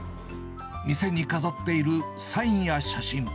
店に飾っているサインや写真。